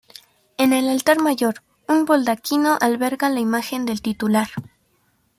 En el altar mayor, un baldaquino alberga la imagen del titular.